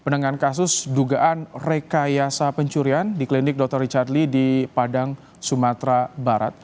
dengan kasus dugaan rekayasa pencurian di klinik dr richard lee di padang sumatera barat